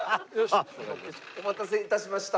お待たせ致しました。